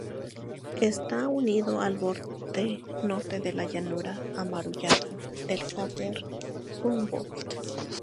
Está unido al borde norte de la llanura amurallada del cráter Humboldt.